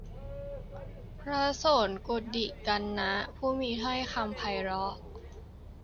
พระโสณกุฎิกัณณะ ผู้มีถ้อยคำไพเราะ